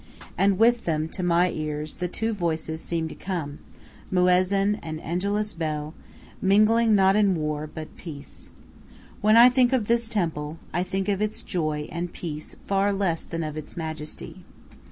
And with them, to my ears, the two voices seem to come, muezzin and angelus bell, mingling not in war, but peace. When I think of this temple, I think of its joy and peace far less than of its majesty.